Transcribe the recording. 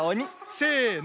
せの。